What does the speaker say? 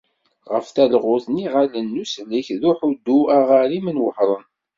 Ɣef talɣut n yiɣallen n usellek d uḥuddu aɣarim n Wehran.